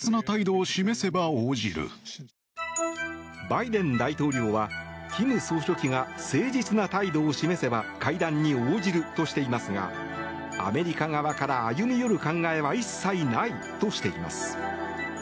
バイデン大統領は、金総書記が誠実な態度を示せば会談に応じるとしていますがアメリカ側から歩み寄る考えは一切ないとしています。